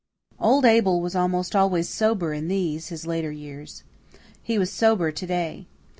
Old Abel was almost always sober in these, his later years. He was sober to day.